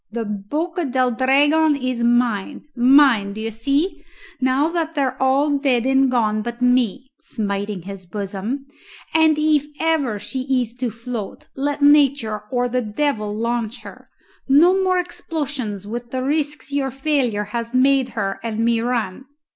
The Boca del Dragon is mine mine, d'ye see, now that they're all dead and gone but me" smiting his bosom "and if ever she is to float, let nature or the devil launch her: no more explosions with the risks your failure has made her and me run!"